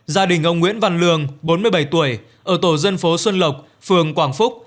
gia đình ông nguyễn văn lương bốn mươi bảy tuổi ở tổ dân phố xuân lộc phường quảng phúc